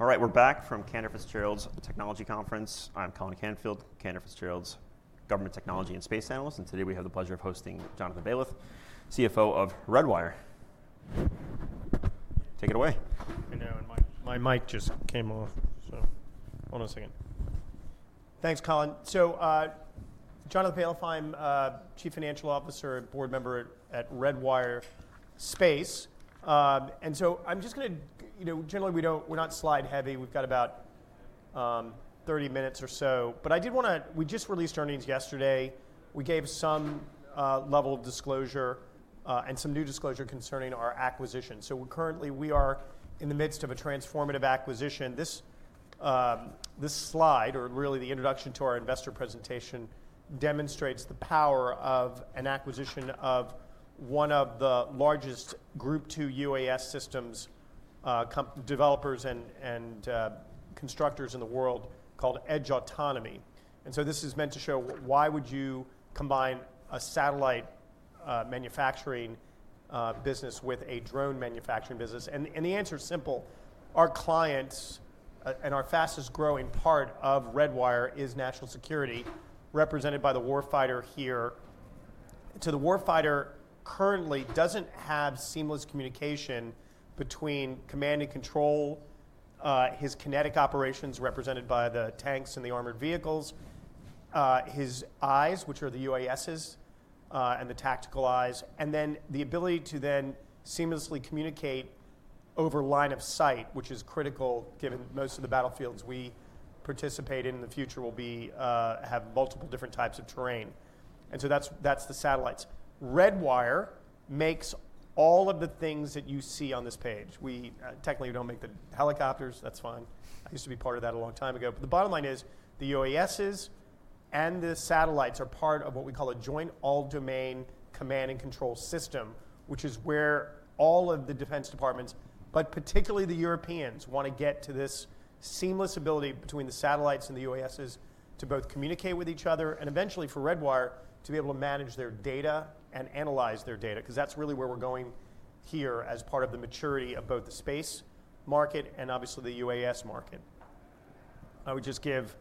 All right, we're back from Cantor Fitzgerald's Technology Conference. I'm Colin Canfield, Cantor Fitzgerald's government technology and space analyst. Today we have the pleasure of hosting Jonathan Baliff, CFO of Redwire. Take it away. My mic just came off, so hold on a second. Thanks, Colin. .Jonathan Baliff, I'm Chief Financial Officer, Board Member at Redwire Space. I'm just going to, you know, generally we don't, we're not slide heavy. We've got about 30 minutes or so. I did want to, we just released earnings yesterday. We gave some level of disclosure and some new disclosure concerning our acquisition. Currently we are in the midst of a transformative acquisition. This slide, or really the introduction to our investor presentation, demonstrates the power of an acquisition of one of the largest Group 2 UAS systems developers and constructors in the world called Edge Autonomy. This is meant to show why would you combine a satellite manufacturing business with a drone manufacturing business? The answer is simple. Our clients and our fastest growing part of Redwire is national security, represented by the warfighter here. The warfighter currently does not have seamless communication between command and control, his kinetic operations represented by the tanks and the armored vehicles, his eyes, which are the UASs and the tactical eyes, and then the ability to then seamlessly communicate over line of sight, which is critical given most of the battlefields we participate in in the future will have multiple different types of terrain. That is the satellites. Redwire makes all of the things that you see on this page. We technically do not make the helicopters. That is fine. I used to be part of that a long time ago. The bottom line is the UASs and the satellites are part of what we call a joint all-domain command and control system, which is where all of the defense departments, but particularly the Europeans, want to get to this seamless ability between the satellites and the UASs to both communicate with each other and eventually for Redwire to be able to manage their data and analyze their data, because that's really where we're going here as part of the maturity of both the space market and obviously the UAS market. I would just give,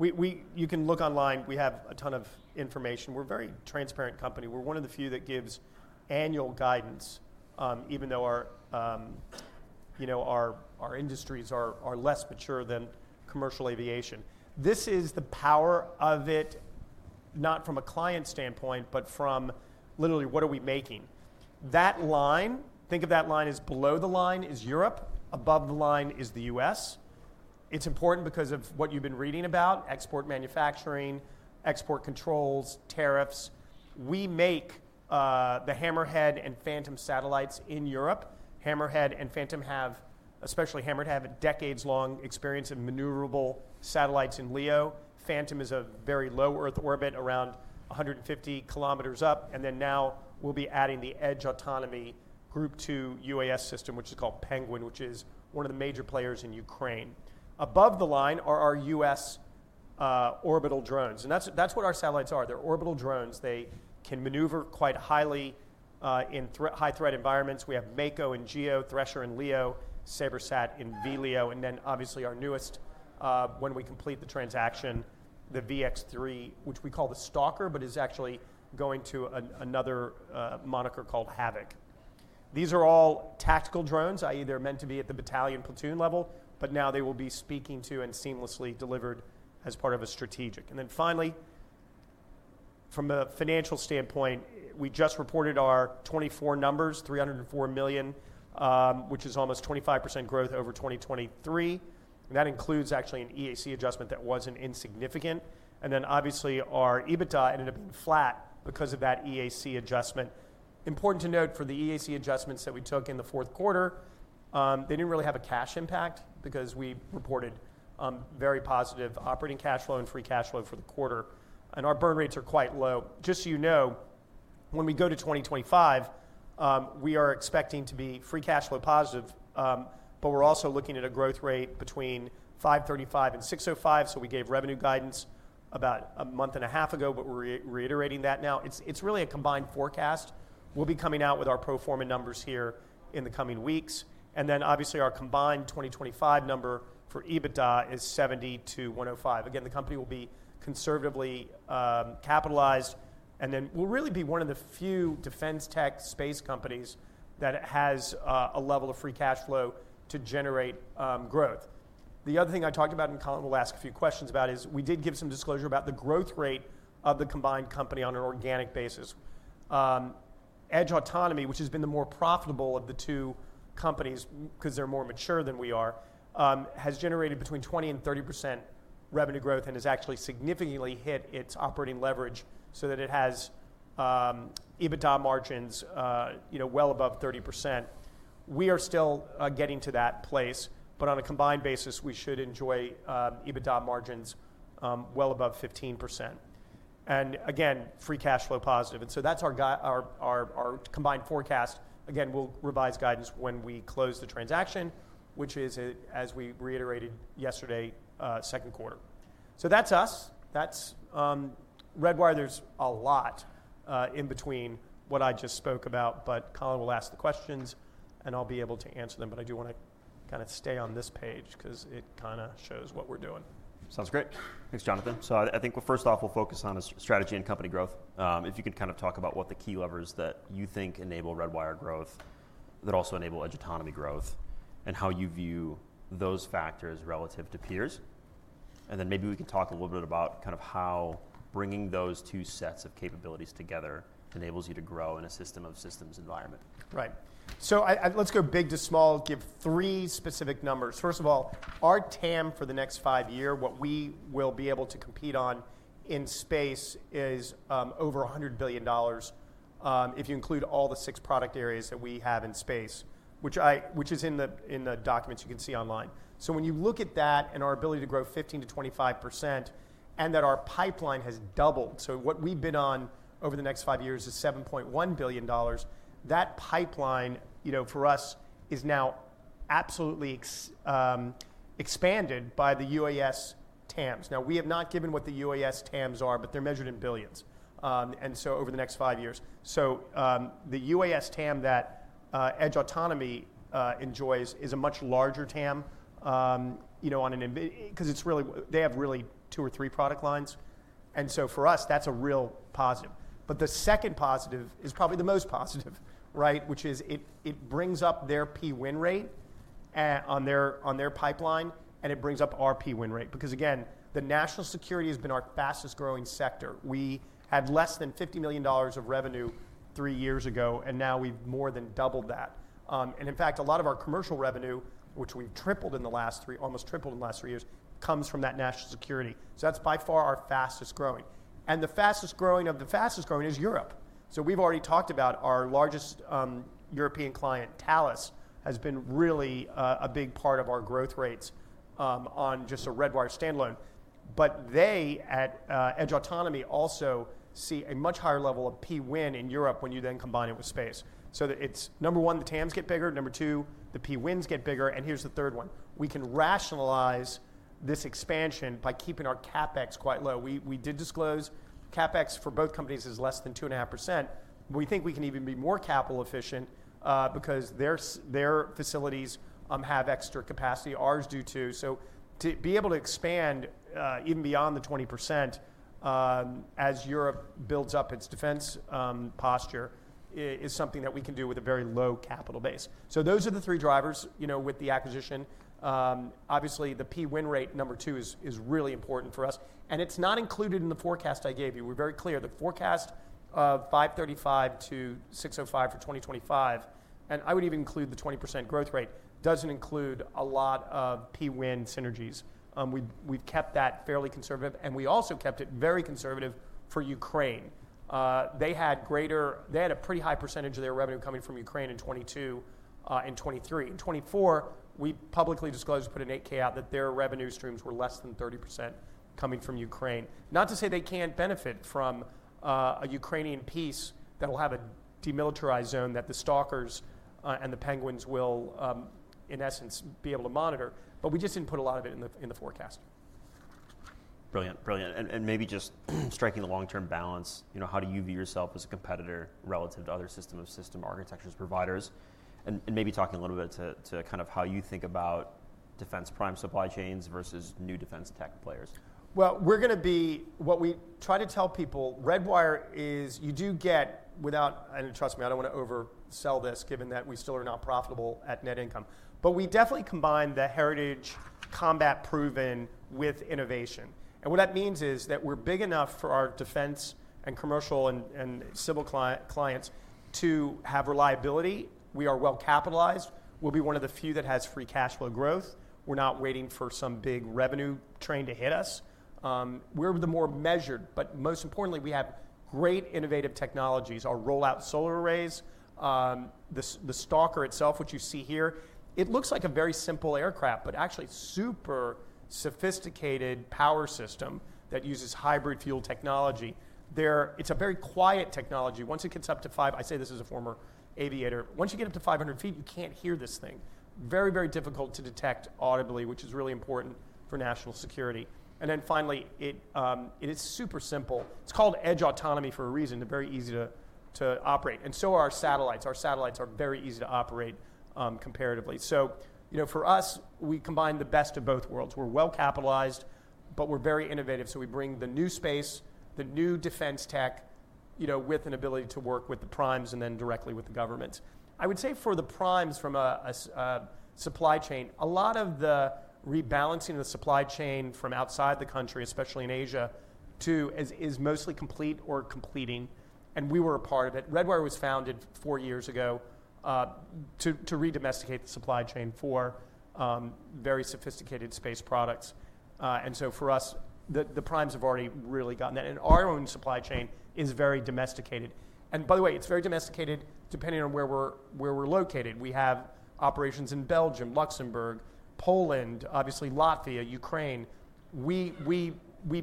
you can look online. We have a ton of information. We're a very transparent company. We're one of the few that gives annual guidance, even though our, you know, our industries are less mature than commercial aviation. This is the power of it, not from a client standpoint, but from literally what are we making. That line, think of that line as below the line is Europe, above the line is the U.S.. It's important because of what you've been reading about export manufacturing, export controls, tariffs. We make the Hammerhead and Phantom satellites in Europe. Hammerhead and Phantom have, especially Hammerhead, have a decades-long experience in maneuverable satellites in LEO. Phantom is a Very Low Earth Orbit, around 150 km up. Now we'll be adding the Edge Autonomy Group 2 UAS system, which is called Penguin, which is one of the major players in Ukraine. Above the line are our U.S. orbital drones. That's what our satellites are. They're orbital drones. They can maneuver quite highly in high-threat environments. We have Mako in GEO, Thresher in LEO, SabreSat in VLEO. Obviously our newest, when we complete the transaction, the VX-3, which we call the Stalker, but is actually going to another moniker called Havoc. These are all tactical drones. They're meant to be at the battalion platoon level, but now they will be speaking to and seamlessly delivered as part of a strategic. Finally, from a financial standpoint, we just reported our 2024 numbers, $304 million, which is almost 25% growth over 2023. That includes actually an EAC adjustment that was not insignificant. Obviously our EBITDA ended up being flat because of that EAC adjustment. Important to note for the EAC adjustments that we took in the fourth quarter, they did not really have a cash impact because we reported very positive operating cash flow and free cash flow for the quarter. Our burn rates are quite low. Just so you know, when we go to 2025, we are expecting to be free cash flow positive, but we're also looking at a growth rate between 535 and 605. We gave revenue guidance about a month and a half ago, but we're reiterating that now. It's really a combined forecast. We'll be coming out with our pro forma numbers here in the coming weeks. Obviously our combined 2025 number for EBITDA is 70-105. Again, the company will be conservatively capitalized. We will really be one of the few defense tech space companies that has a level of free cash flow to generate growth. The other thing I talked about and Colin will ask a few questions about is we did give some disclosure about the growth rate of the combined company on an organic basis. Edge Autonomy, which has been the more profitable of the two companies because they're more mature than we are, has generated between 20-30% revenue growth and has actually significantly hit its operating leverage so that it has EBITDA margins, you know, well above 30%. We are still getting to that place, but on a combined basis, we should enjoy EBITDA margins well above 15%. Again, free cash flow positive. That is our combined forecast. Again, we'll revise guidance when we close the transaction, which is, as we reiterated yesterday, second quarter. That is us. That is Redwire. There is a lot in between what I just spoke about, but Colin will ask the questions and I'll be able to answer them. I do want to kind of stay on this page because it kind of shows what we're doing. Sounds great. Thanks, Jonathan. I think first off, we'll focus on strategy and company growth. If you could kind of talk about what the key levers that you think enable Redwire growth that also enable Edge Autonomy growth and how you view those factors relative to peers. Maybe we can talk a little bit about kind of how bringing those two sets of capabilities together enables you to grow in a system of systems environment. Right. Let's go big to small, give three specific numbers. First of all, our TAM for the next five years, what we will be able to compete on in space is over $100 billion if you include all the six product areas that we have in space, which is in the documents you can see online. When you look at that and our ability to grow 15%-25% and that our pipeline has doubled, what we've been on over the next five years is $7.1 billion, that pipeline, you know, for us is now absolutely expanded by the UAS TAMs. Now we have not given what the UAS TAMs are, but they're measured in billions. Over the next five years. The UAS TAM that Edge Autonomy enjoys is a much larger TAM, you know, on an, because it's really, they have really two or three product lines. For us, that's a real positive. The second positive is probably the most positive, right, which is it brings up their P-win rate on their pipeline and it brings up our P-win rate. Because again, the national security has been our fastest growing sector. We had less than $50 million of revenue three years ago and now we've more than doubled that. In fact, a lot of our commercial revenue, which we've tripled in the last three, almost tripled in the last three years, comes from that national security. That's by far our fastest growing. The fastest growing of the fastest growing is Europe. We have already talked about our largest European client, Thales, has been really a big part of our growth rates on just a Redwire standalone. They at Edge Autonomy also see a much higher level of P-win in Europe when you then combine it with space. It is number one, the TAMs get bigger. Number two, the P-wins get bigger. Here is the third one. We can rationalize this expansion by keeping our CapEx quite low. We did disclose CapEx for both companies is less than 2.5%. We think we can even be more capital efficient because their facilities have extra capacity. Ours do too. To be able to expand even beyond the 20% as Europe builds up its defense posture is something that we can do with a very low capital base. Those are the three drivers, you know, with the acquisition. Obviously, the P-win rate number two is really important for us. It is not included in the forecast I gave you. We are very clear. The forecast of $535 million-$605 million for 2025, and I would even include the 20% growth rate, does not include a lot of P-win synergies. We have kept that fairly conservative. We also kept it very conservative for Ukraine. They had greater, they had a pretty high percentage of their revenue coming from Ukraine in 2022 and 2023. In 2024, we publicly disclosed, put an 8-K out that their revenue streams were less than 30% coming from Ukraine. Not to say they cannot benefit from a Ukrainian piece that will have a demilitarized zone that the Stalkers and the Penguins will, in essence, be able to monitor. We just did not put a lot of it in the forecast. Brilliant. Brilliant. Maybe just striking the long-term balance, you know, how do you view yourself as a competitor relative to other system of system architectures providers? Maybe talking a little bit to kind of how you think about defense prime supply chains versus new defense tech players. We are going to be what we try to tell people. Redwire is you do get without, and trust me, I do not want to oversell this given that we still are not profitable at net income, but we definitely combine the heritage combat proven with innovation. What that means is that we are big enough for our defense and commercial and civil clients to have reliability. We are well capitalized. We will be one of the few that has free cash flow growth. We are not waiting for some big revenue train to hit us. We are the more measured, but most importantly, we have great innovative technologies. Our Roll-Out Solar Arrays, the Stalker itself, what you see here, it looks like a very simple aircraft, but actually super sophisticated power system that uses hybrid fuel technology. It is a very quiet technology. Once it gets up to five, I say this as a former aviator, once you get up to 500 feet, you can't hear this thing. Very, very difficult to detect audibly, which is really important for national security. Finally, it is super simple. It's called Edge Autonomy for a reason. They're very easy to operate. And so are our satellites. Our satellites are very easy to operate comparatively. You know, for us, we combine the best of both worlds. We're well capitalized, but we're very innovative. We bring the new space, the new defense tech, you know, with an ability to work with the primes and then directly with the governments. I would say for the primes from a supply chain, a lot of the rebalancing of the supply chain from outside the country, especially in Asia, too, is mostly complete or completing. We were a part of it. Redwire was founded four years ago to redomesticate the supply chain for very sophisticated space products. For us, the primes have already really gotten that. Our own supply chain is very domesticated. By the way, it's very domesticated depending on where we're located. We have operations in Belgium, Luxembourg, Poland, obviously Latvia, Ukraine. We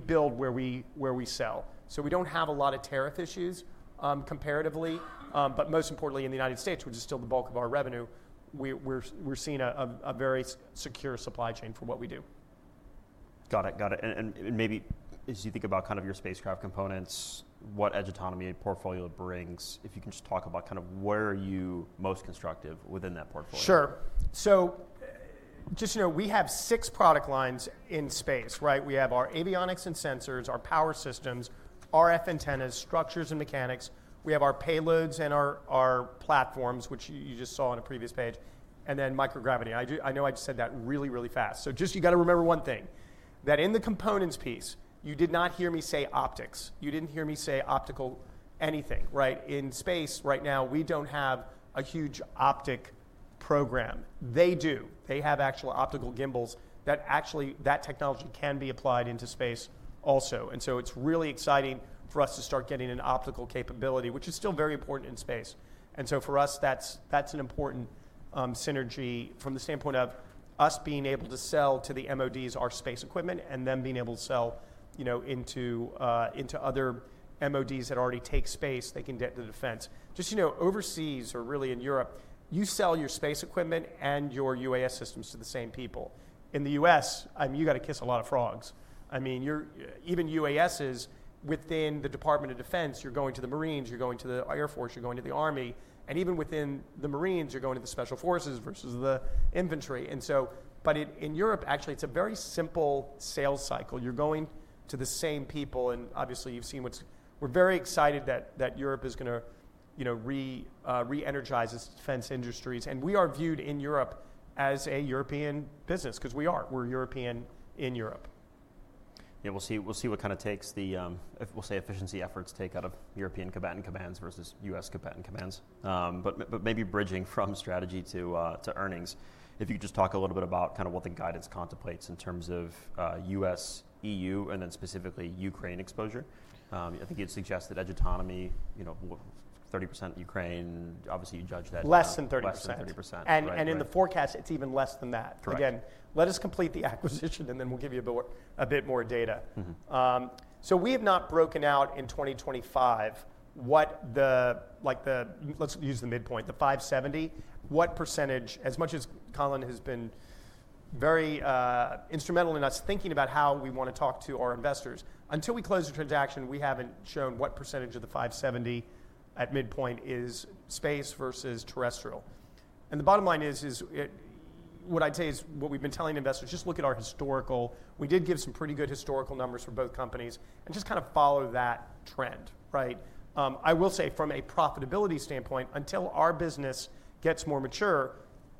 build where we sell. We do not have a lot of tariff issues comparatively, but most importantly in the United States, which is still the bulk of our revenue, we're seeing a very secure supply chain for what we do. Got it. Got it. Maybe as you think about kind of your spacecraft components, what Edge Autonomy portfolio brings, if you can just talk about kind of where are you most constructive within that portfolio. Sure. Just, you know, we have six product lines in space, right? We have our avionics and sensors, our power systems, RF antennas, structures and mechanics. We have our payloads and our platforms, which you just saw on a previous page, and then microgravity. I know I just said that really, really fast. You got to remember one thing, that in the components piece, you did not hear me say optics. You did not hear me say optical anything, right? In space right now, we do not have a huge optic program. They do. They have actual optical gimbals that actually that technology can be applied into space also. It is really exciting for us to start getting an optical capability, which is still very important in space. For us, that's an important synergy from the standpoint of us being able to sell to the MODs our space equipment and then being able to sell, you know, into other MODs that already take space, they can get to defense. Just, you know, overseas or really in Europe, you sell your space equipment and your UAS systems to the same people. In the U.S., I mean, you got to kiss a lot of frogs. I mean, even UASs within the Department of Defense, you're going to the Marines, you're going to the Air Force, you're going to the Army. And even within the Marines, you're going to the Special Forces versus the infantry. In Europe, actually, it's a very simple sales cycle. You're going to the same people. Obviously, you've seen what's, we're very excited that Europe is going to, you know, re-energize its defense industries. We are viewed in Europe as a European business because we are. We're European in Europe. Yeah. We'll see what kind of takes the, we'll say efficiency efforts take out of European combatant commands versus U.S. combatant commands. Maybe bridging from strategy to earnings, if you could just talk a little bit about kind of what the guidance contemplates in terms of U.S., EU, and then specifically Ukraine exposure. I think you'd suggest that Edge Autonomy, you know, 30% Ukraine, obviously you judge that. Less than 30%. Less than 30%. In the forecast, it's even less than that. Again, let us complete the acquisition and then we'll give you a bit more data. We have not broken out in 2025 what the, like the, let's use the midpoint, the 570, what percentage, as much as Colin has been very instrumental in us thinking about how we want to talk to our investors, until we close the transaction, we haven't shown what percentage of the 570 at midpoint is space versus terrestrial. The bottom line is, is what I'd say is what we've been telling investors, just look at our historical, we did give some pretty good historical numbers for both companies and just kind of follow that trend, right? I will say from a profitability standpoint, until our business gets more mature,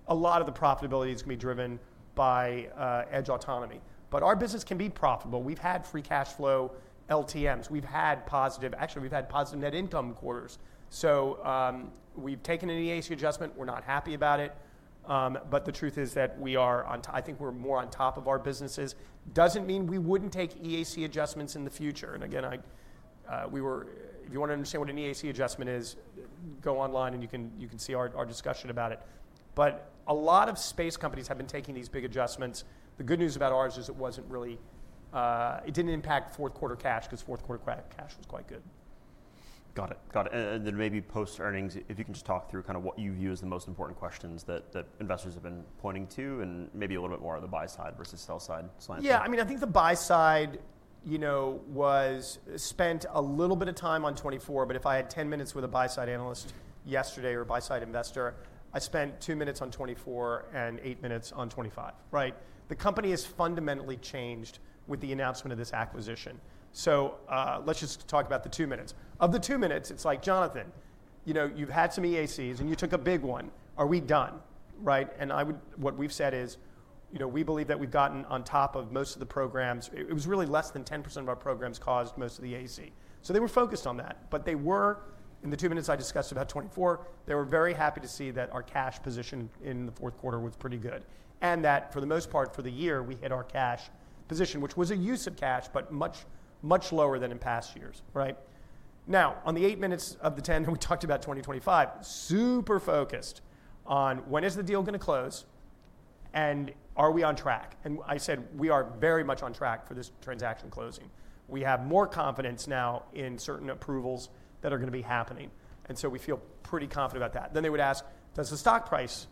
a lot of the profitability is going to be driven by Edge Autonomy. Our business can be profitable. We've had free cash flow LTMs. We've had positive, actually we've had positive net income quarters. We've taken an EAC adjustment. We're not happy about it. The truth is that we are, I think we're more on top of our businesses. That doesn't mean we wouldn't take EAC adjustments in the future. Again, if you want to understand what an EAC adjustment is, go online and you can see our discussion about it. A lot of space companies have been taking these big adjustments. The good news about ours is it wasn't really, it didn't impact fourth quarter cash because fourth quarter cash was quite good. Got it. Got it. Maybe post earnings, if you can just talk through kind of what you view as the most important questions that investors have been pointing to and maybe a little bit more on the buy side versus sell side slants. Yeah. I mean, I think the buy side, you know, was spent a little bit of time on '24, but if I had 10 minutes with a buy side analyst yesterday or a buy side investor, I spent two minutes on '24 and eight minutes on '25, right? The company has fundamentally changed with the announcement of this acquisition. Let's just talk about the two minutes. Of the two minutes, it's like, Jonathan, you know, you've had some EACs and you took a big one. Are we done? Right? What we've said is, you know, we believe that we've gotten on top of most of the programs. It was really less than 10% of our programs caused most of the EAC. They were focused on that. They were, in the two minutes I discussed about 2024, very happy to see that our cash position in the fourth quarter was pretty good. For the most part for the year, we hit our cash position, which was a use of cash, but much, much lower than in past years, right? On the eight minutes of the 10 that we talked about 2025, super focused on when is the deal going to close and are we on track? I said we are very much on track for this transaction closing. We have more confidence now in certain approvals that are going to be happening. We feel pretty confident about that. They would ask, does the stock price,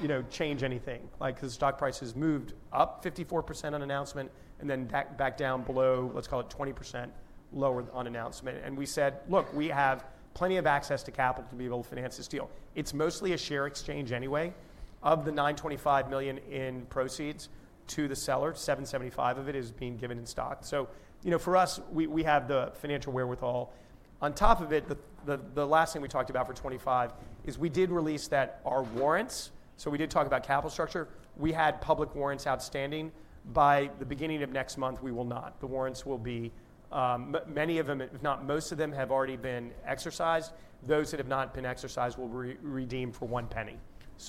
you know, change anything? Like because the stock price has moved up 54% on announcement and then back down below, let's call it 20% lower on announcement. We said, look, we have plenty of access to capital to be able to finance this deal. It's mostly a share exchange anyway of the $925 million in proceeds to the seller. $775 million of it is being given in stock. You know, for us, we have the financial wherewithal. On top of it, the last thing we talked about for 2025 is we did release that our warrants. We did talk about capital structure. We had public warrants outstanding. By the beginning of next month, we will not. The warrants will be, many of them, if not most of them, have already been exercised. Those that have not been exercised will redeem for one penny.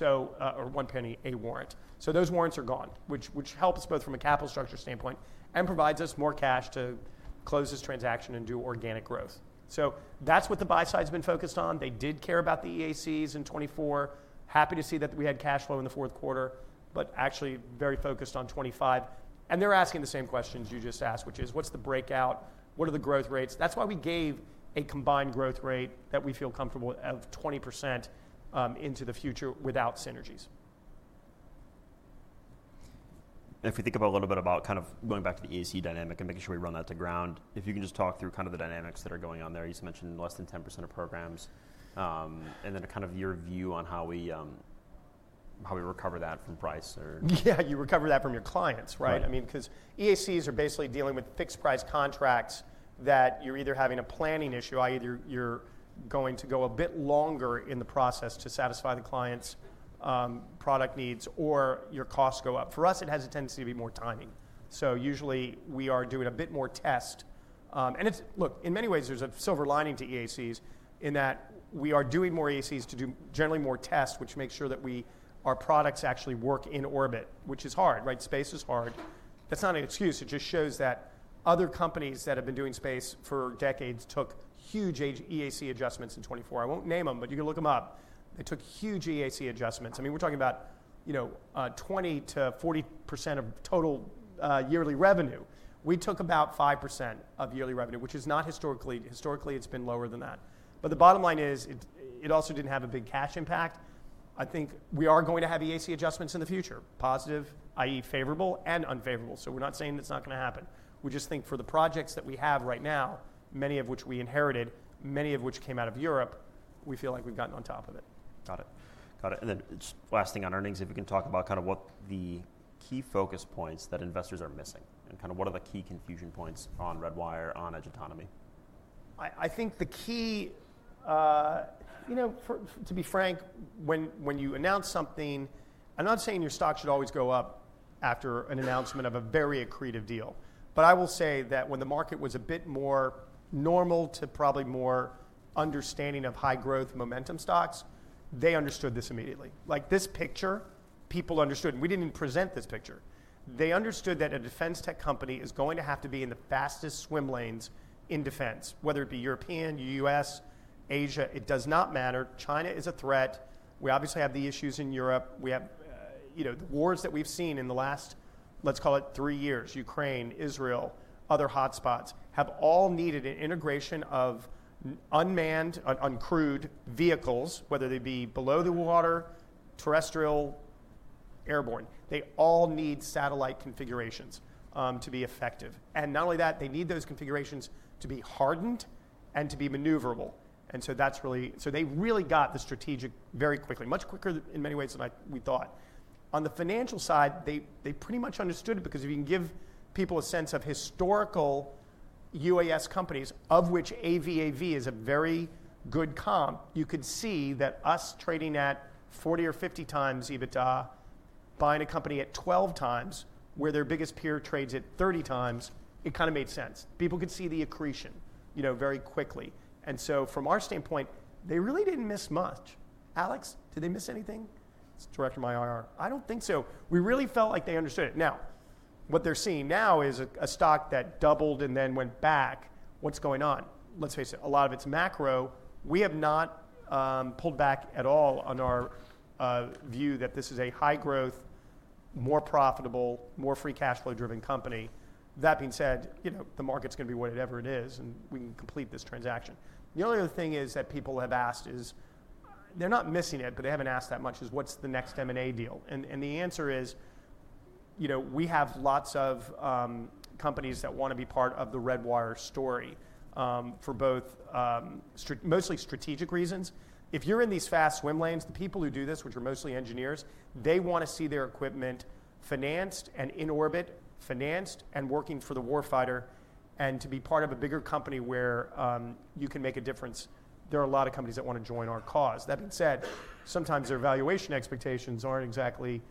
Or one penny a warrant. Those warrants are gone, which helps both from a capital structure standpoint and provides us more cash to close this transaction and do organic growth. That is what the buy side has been focused on. They did care about the EACs in 2024. Happy to see that we had cash flow in the fourth quarter, but actually very focused on 2025. They are asking the same questions you just asked, which is what is the breakout? What are the growth rates? That is why we gave a combined growth rate that we feel comfortable with of 20% into the future without synergies. If we think about a little bit about kind of going back to the EAC dynamic and making sure we run that to ground, if you can just talk through kind of the dynamics that are going on there. You mentioned less than 10% of programs. Then kind of your view on how we recover that from price or. Yeah, you recover that from your clients, right? I mean, because EACs are basically dealing with fixed price contracts that you're either having a planning issue, either you're going to go a bit longer in the process to satisfy the client's product needs or your costs go up. For us, it has a tendency to be more timing. Usually we are doing a bit more test. Look, in many ways, there's a silver lining to EACs in that we are doing more EACs to do generally more tests, which makes sure that our products actually work in orbit, which is hard, right? Space is hard. That's not an excuse. It just shows that other companies that have been doing space for decades took huge EAC adjustments in 2024. I won't name them, but you can look them up. They took huge EAC adjustments. I mean, we're talking about, you know, 20-40% of total yearly revenue. We took about 5% of yearly revenue, which is not historically, historically it's been lower than that. The bottom line is it also did not have a big cash impact. I think we are going to have EAC adjustments in the future, positive, i.e., favorable and unfavorable. We are not saying it is not going to happen. We just think for the projects that we have right now, many of which we inherited, many of which came out of Europe, we feel like we have gotten on top of it. Got it. Got it. Last thing on earnings, if you can talk about kind of what the key focus points that investors are missing and kind of what are the key confusion points on Redwire, on Edge Autonomy? I think the key, you know, to be frank, when you announce something, I'm not saying your stock should always go up after an announcement of a very accretive deal. I will say that when the market was a bit more normal to probably more understanding of high growth momentum stocks, they understood this immediately. Like this picture, people understood, and we did not even present this picture. They understood that a defense tech company is going to have to be in the fastest swim lanes in defense, whether it be European, U.S., Asia, it does not matter. China is a threat. We obviously have the issues in Europe. We have, you know, the wars that we have seen in the last, let's call it three years, Ukraine, Israel, other hotspots have all needed an integration of unmanned, uncrewed vehicles, whether they be below the water, terrestrial, airborne. They all need satellite configurations to be effective. Not only that, they need those configurations to be hardened and to be maneuverable. That is really, so they really got the strategic very quickly, much quicker in many ways than we thought. On the financial side, they pretty much understood it because if you can give people a sense of historical UAS companies, of which AVAV is a very good comp, you could see that us trading at 40 or 50 times EBITDA, buying a company at 12 times where their biggest peer trades at 30 times, it kind of made sense. People could see the accretion, you know, very quickly. From our standpoint, they really did not miss much. Alex, did they miss anything? It is director of my IR. I do not think so. We really felt like they understood it. Now, what they're seeing now is a stock that doubled and then went back. What's going on? Let's face it, a lot of it's macro. We have not pulled back at all on our view that this is a high growth, more profitable, more free cash flow driven company. That being said, you know, the market's going to be whatever it is and we can complete this transaction. The only other thing is that people have asked is they're not missing it, but they haven't asked that much is what's the next M&A deal? And the answer is, you know, we have lots of companies that want to be part of the Redwire story for both mostly strategic reasons. If you're in these fast swim lanes, the people who do this, which are mostly engineers, they want to see their equipment financed and in orbit, financed and working for the warfighter and to be part of a bigger company where you can make a difference. There are a lot of companies that want to join our cause. That being said, sometimes their valuation expectations aren't exactly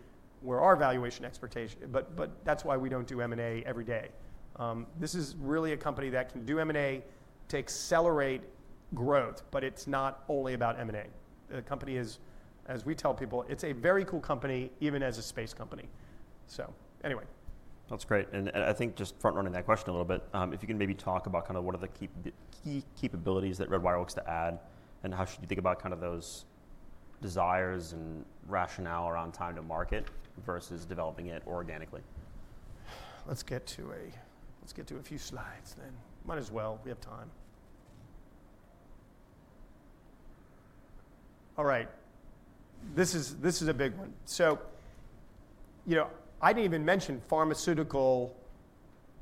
where our valuation expectations are, but that's why we don't do M&A every day. This is really a company that can do M&A, take accelerate growth, but it's not only about M&A. The company is, as we tell people, it's a very cool company even as a space company. So anyway. That's great. I think just front running that question a little bit, if you can maybe talk about kind of what are the key capabilities that Redwire looks to add and how should you think about kind of those desires and rationale around time to market versus developing it organically? Let's get to a, let's get to a few slides then. Might as well. We have time. All right. This is a big one. You know, I didn't even mention pharmaceutical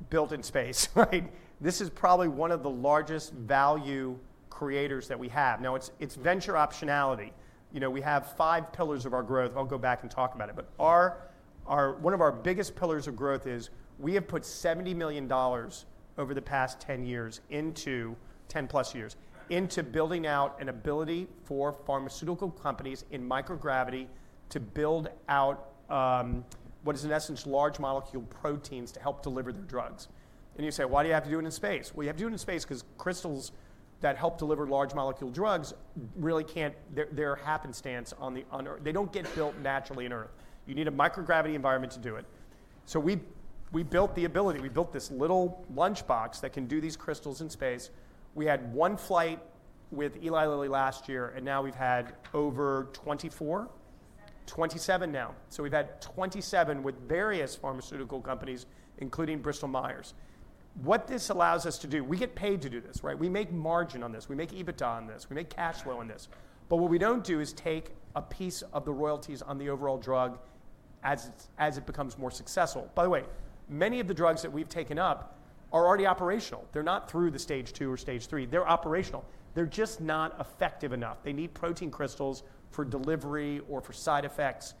built in space, right? This is probably one of the largest value creators that we have. Now it's venture optionality. You know, we have five pillars of our growth. I'll go back and talk about it. One of our biggest pillars of growth is we have put $70 million over the past 10 years into 10 plus years into building out an ability for pharmaceutical companies in microgravity to build out what is in essence large molecule proteins to help deliver their drugs. You say, why do you have to do it in space? You have to do it in space because crystals that help deliver large molecule drugs really can't, they're happenstance on the, they don't get built naturally in Earth. You need a microgravity environment to do it. We built the ability. We built this little lunchbox that can do these crystals in space. We had one flight with Eli Lilly last year and now we've had over 24, 27 now. We have had 27 with various pharmaceutical companies, including Bristol Myers. What this allows us to do, we get paid to do this, right? We make margin on this. We make EBITDA on this. We make cash flow on this. What we don't do is take a piece of the royalties on the overall drug as it becomes more successful. By the way, many of the drugs that we've taken up are already operational. They're not through the stage two or stage three. They're operational. They're just not effective enough. They need protein crystals for delivery or for side effects.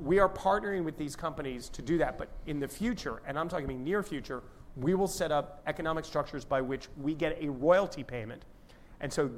We are partnering with these companies to do that. In the future, and I'm talking about near future, we will set up economic structures by which we get a royalty payment.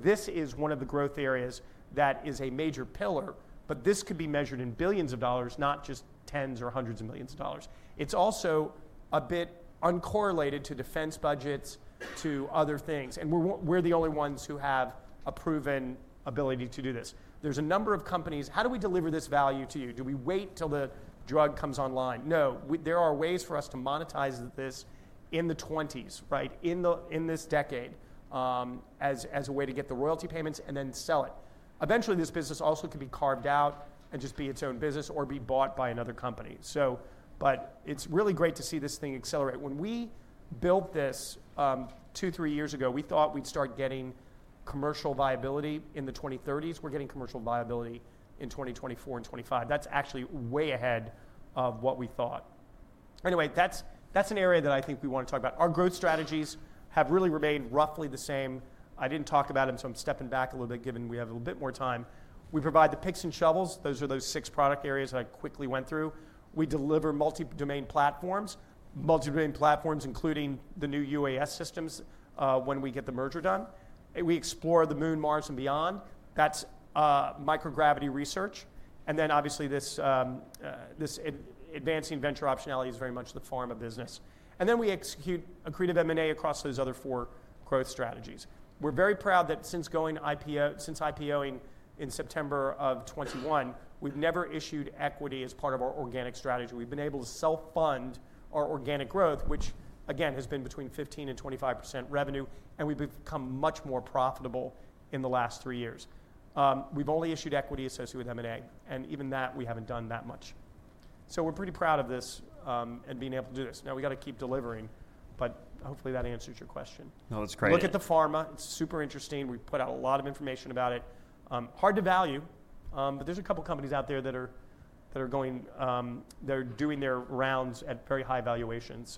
This is one of the growth areas that is a major pillar, but this could be measured in billions of dollars, not just tens or hundreds of millions of dollars. It's also a bit uncorrelated to defense budgets, to other things. We're the only ones who have a proven ability to do this. There's a number of companies. How do we deliver this value to you? Do we wait till the drug comes online? No, there are ways for us to monetize this in the 2020s, right? In this decade as a way to get the royalty payments and then sell it. Eventually this business also could be carved out and just be its own business or be bought by another company. It's really great to see this thing accelerate. When we built this two, three years ago, we thought we'd start getting commercial viability in the 2030s. We're getting commercial viability in 2024 and 2025. That's actually way ahead of what we thought. Anyway, that's an area that I think we want to talk about. Our growth strategies have really remained roughly the same. I didn't talk about them, so I'm stepping back a little bit given we have a little bit more time. We provide the picks and shovels. Those are those six product areas that I quickly went through. We deliver multi-domain platforms, multi-domain platforms, including the new UAS systems when we get the merger done. We explore the moon, Mars, and beyond. That's microgravity research. Obviously, this advancing venture optionality is very much the form of business. We execute accretive M&A across those other four growth strategies. We're very proud that since going IPO, since IPOing in September of 2021, we've never issued equity as part of our organic strategy. We've been able to self-fund our organic growth, which again has been between 15% and 25% revenue. We've become much more profitable in the last three years. We've only issued equity associated with M&A. Even that, we haven't done that much. We're pretty proud of this and being able to do this. Now we got to keep delivering, but hopefully that answers your question. No, that's great. Look at the pharma. It's super interesting. We put out a lot of information about it. Hard to value, but there's a couple of companies out there that are going, they're doing their rounds at very high valuations.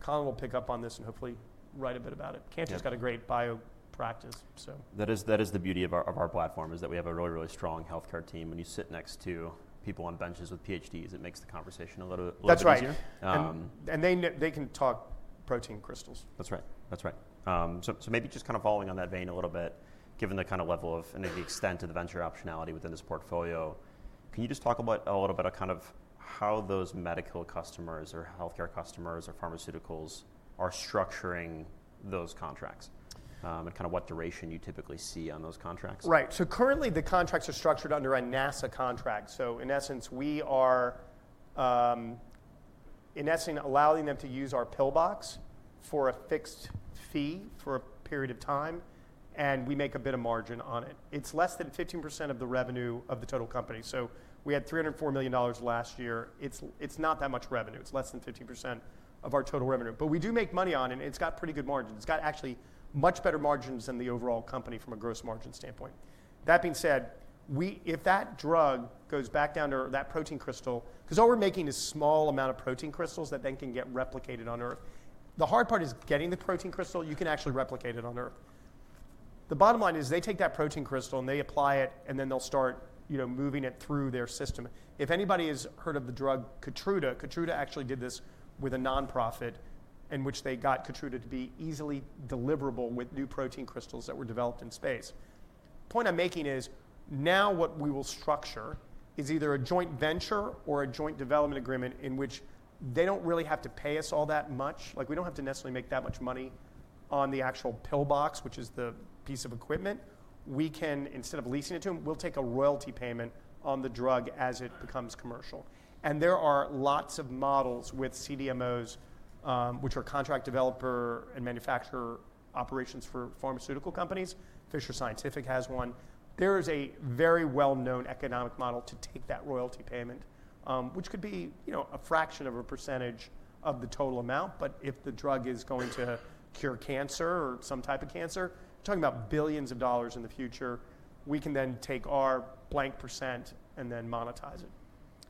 Colin will pick up on this and hopefully write a bit about it. Cantor's got a great bio practice, so. That is the beauty of our platform is that we have a really, really strong healthcare team. When you sit next to people on benches with PhDs, it makes the conversation a little bit easier. That's right. They can talk protein crystals. That's right. That's right. Maybe just kind of following on that vein a little bit, given the kind of level of and the extent of the venture optionality within this portfolio, can you just talk about a little bit of kind of how those medical customers or healthcare customers or pharmaceuticals are structuring those contracts and kind of what duration you typically see on those contracts? Right. Currently the contracts are structured under a NASA contract. In essence, we are in essence allowing them to use our PIL-BOX for a fixed fee for a period of time, and we make a bit of margin on it. It's less than 15% of the revenue of the total company. We had $304 million last year. It's not that much revenue. It's less than 15% of our total revenue. We do make money on it, and it's got pretty good margins. It's got actually much better margins than the overall company from a gross margin standpoint. That being said, if that drug goes back down to that protein crystal, because all we're making is a small amount of protein crystals that then can get replicated on Earth. The hard part is getting the protein crystal. You can actually replicate it on Earth. The bottom line is they take that protein crystal and they apply it, and then they'll start, you know, moving it through their system. If anybody has heard of the drug Keytruda, Keytruda actually did this with a nonprofit in which they got Keytruda to be easily deliverable with new protein crystals that were developed in space. The point I'm making is now what we will structure is either a joint venture or a joint development agreement in which they don't really have to pay us all that much. Like we don't have to necessarily make that much money on the actual PIL-BOX, which is the piece of equipment. We can, instead of leasing it to them, we'll take a royalty payment on the drug as it becomes commercial. And there are lots of models with CDMOs, which are contract developer and manufacturer operations for pharmaceutical companies. Fisher Scientific has one. There is a very well-known economic model to take that royalty payment, which could be, you know, a fraction of a percentage of the total amount. If the drug is going to cure cancer or some type of cancer, talking about billions of dollars in the future, we can then take our blank % and then monetize it.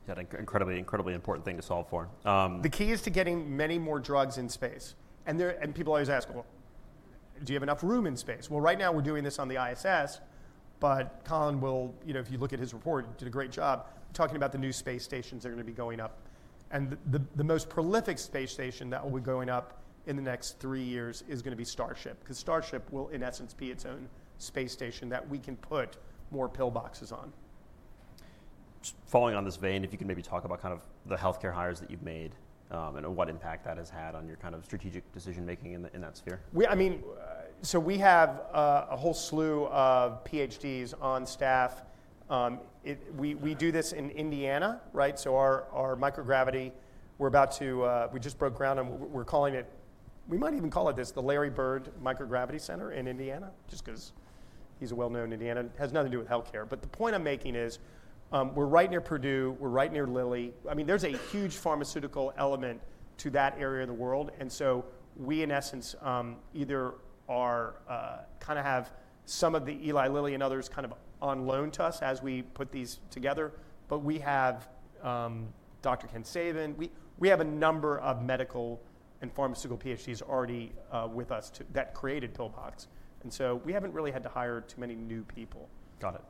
Yeah, an incredibly, incredibly important thing to solve for. The key is to getting many more drugs in space. And people always ask, well, do you have enough room in space? Right now we're doing this on the ISS, but Colin will, you know, if you look at his report, he did a great job talking about the new space stations that are going to be going up. The most prolific space station that will be going up in the next three years is going to be Starship because Starship will in essence be its own space station that we can put more PIL-BOXes on. Just following on this vein, if you can maybe talk about kind of the healthcare hires that you've made and what impact that has had on your kind of strategic decision-making in that sphere. I mean, so we have a whole slew of PhDs on staff. We do this in Indiana, right? So our microgravity, we're about to, we just broke ground and we're calling it, we might even call it this, the Larry Bird Microgravity Center in Indiana, just because he's a well-known Indiana. It has nothing to do with healthcare. The point I'm making is we're right near Purdue. We're right near Lilly. I mean, there's a huge pharmaceutical element to that area of the world. We in essence either kind of have some of the Eli Lilly and others kind of on loan to us as we put these together. We have Dr. Ken Savin. We have a number of medical and pharmaceutical PhDs already with us that created PIL-BOX. We haven't really had to hire too many new people. Got it.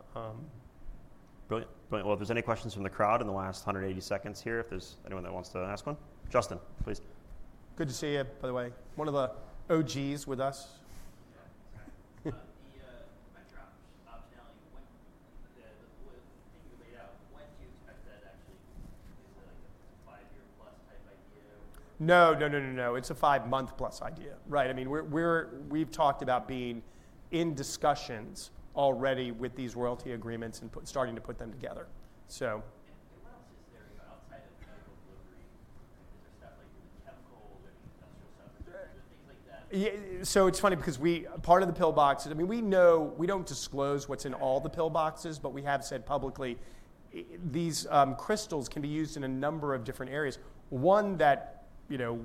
Brilliant. Brilliant. If there's any questions from the crowd in the last 180 seconds here, if there's anyone that wants to ask one, Justin, please. Good to see you, by the way. One of the OGs with us. The microgravity optionality, the thing you laid out, when do you expect that actually is like a five-year plus type idea or? No, no, no, no, no. It's a five-month plus idea, right? I mean, we've talked about being in discussions already with these royalty agreements and starting to put them together. What else is there outside of medical delivery? Is there stuff like the chemicals or the industrial stuff? Things like that. It's funny because we, part of the PIL-BOX, I mean, we know we don't disclose what's in all the PIL-BOXes, but we have said publicly these crystals can be used in a number of different areas. One that, you know,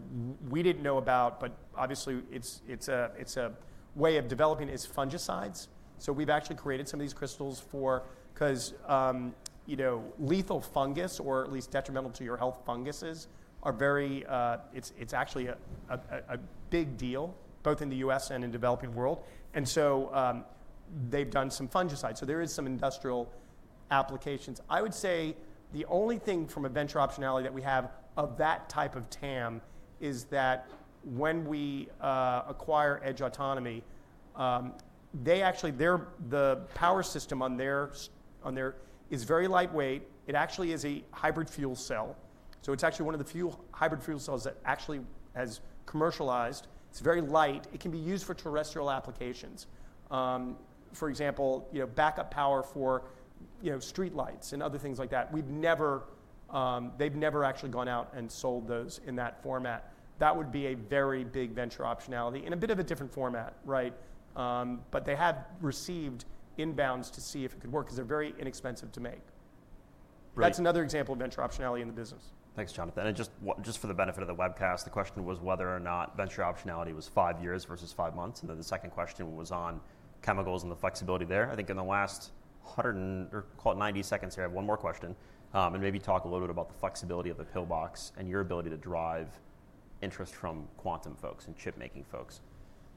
we didn't know about, but obviously it's a way of developing, is fungicides. We've actually created some of these crystals for, because, you know, lethal fungus or at least detrimental to your health funguses are very, it's actually a big deal both in the US and in the developing world. They've done some fungicides. There is some industrial applications. I would say the only thing from a venture optionality that we have of that type of TAM is that when we acquire Edge Autonomy, they actually, the power system on there is very lightweight. It actually is a hybrid fuel cell. It's actually one of the few hybrid fuel cells that actually has commercialized. It's very light. It can be used for terrestrial applications. For example, you know, backup power for, you know, street lights and other things like that. We've never, they've never actually gone out and sold those in that format. That would be a very big venture optionality in a bit of a different format, right? But they have received inbounds to see if it could work because they're very inexpensive to make. That's another example of venture optionality in the business. Thanks, Jonathan. Just for the benefit of the webcast, the question was whether or not venture optionality was five years versus five months. The second question was on chemicals and the flexibility there. I think in the last 100 or call it 90 seconds here, I have one more question and maybe talk a little bit about the flexibility of the PIL-BOX and your ability to drive interest from quantum folks and chip making folks.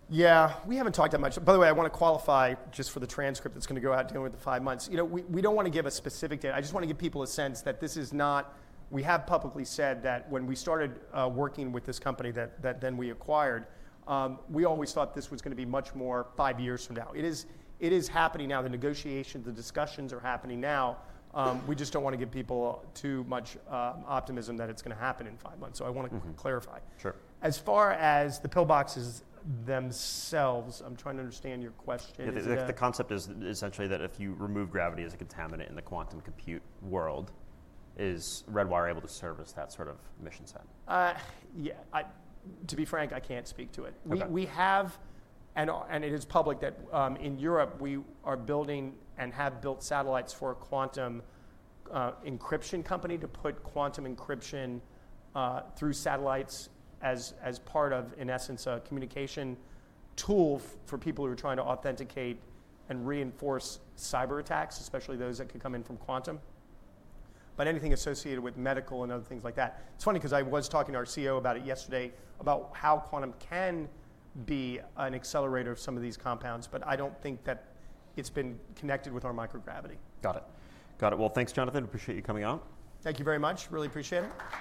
Yeah, we haven't talked that much. By the way, I want to qualify just for the transcript that's going to go out dealing with the five months. You know, we don't want to give a specific date. I just want to give people a sense that this is not, we have publicly said that when we started working with this company that then we acquired, we always thought this was going to be much more five years from now. It is happening now. The negotiations, the discussions are happening now. We just don't want to give people too much optimism that it's going to happen in five months. I want to clarify. As far as the PIL-BOXes themselves, I'm trying to understand your question. The concept is essentially that if you remove gravity as a contaminant in the quantum compute world, is Redwire able to service that sort of mission set? Yeah. To be frank, I can't speak to it. We have, and it is public that in Europe, we are building and have built satellites for a quantum encryption company to put quantum encryption through satellites as part of, in essence, a communication tool for people who are trying to authenticate and reinforce cyber attacks, especially those that could come in from quantum. Anything associated with medical and other things like that. It's funny because I was talking to our CEO about it yesterday, about how quantum can be an accelerator of some of these compounds, but I don't think that it's been connected with our microgravity. Got it. Got it. Thanks, Jonathan. Appreciate you coming out. Thank you very much. Really appreciate it.